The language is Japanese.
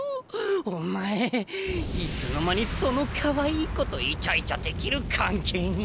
お前いつの間にそのかわいい子とイチャイチャできる関係に！？